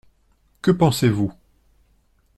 Que pensez-vous ?